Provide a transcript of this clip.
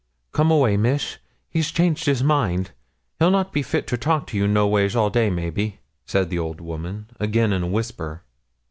'Come away, miss: he's changed his mind; he'll not be fit to talk to you noways all day, maybe,' said the old woman, again in a whisper.